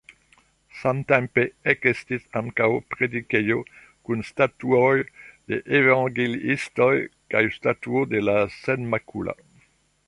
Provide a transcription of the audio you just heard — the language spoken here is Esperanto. Samtempe ekestis ankaŭ predikejo kun statuoj de evangeliistoj kaj statuo de la Senmakula.